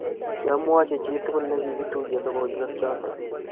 kiamwochi chi tugul nekikituye lokoiywek choto.